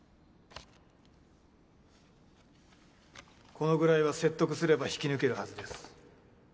このぐらいは説得すれば引き抜けるはずです